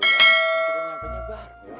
tidak nyampe nyabar